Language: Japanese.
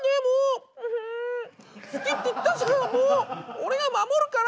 俺が守るから。